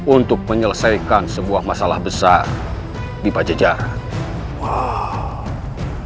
untuk menyelesaikan sebuah masalah besar di pajajaran